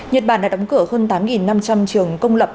nhật bản đã đóng cửa hơn tám năm trăm linh trường công lập